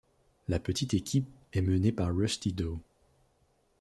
La petite équipe est menée par Rusty Dawe.